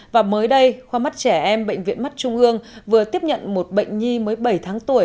và mới đây khoa mắt trẻ em bệnh viện mắt trung ương vừa tiếp nhận một bệnh nhi mới bảy tháng tuổi